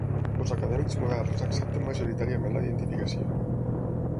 Els acadèmics moderns accepten majoritàriament la identificació.